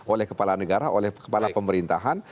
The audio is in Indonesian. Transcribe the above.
oleh kepala negara oleh kepala pemerintahan